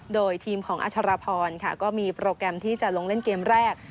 โดยทีมของอัชรพรค่ะก็มีโปรแกรมที่จะลงเล่นเกมแรก